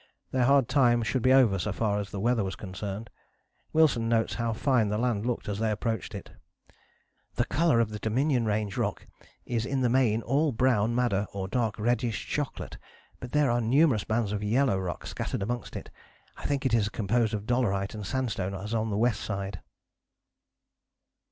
Their hard time should be over so far as the weather was concerned. Wilson notes how fine the land looked as they approached it: "The colour of the Dominion Range rock is in the main all brown madder or dark reddish chocolate, but there are numerous bands of yellow rock scattered amongst it. I think it is composed of dolerite and sandstone as on the W. side."